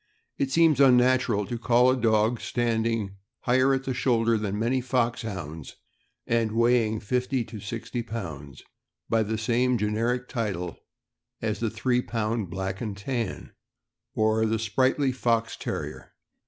It seems unnatural to call a dog standing higher at the shoulder than many Foxhounds, and weigh ing fifty to sixty pounds, by the same generic title as the three pound Black and Tan, or the sprightly Fox Terrier.